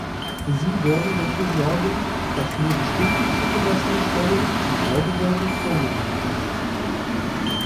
Sie werden dafür sorgen, dass nur bestimmte zugelassene Stellen die Neubewertung vornehmen können.